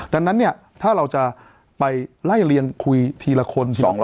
ดังนั้นเนี่ยถ้าเราจะไปไล่เลียงคุยทีละคน